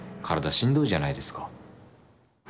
体しんどいじゃないですか。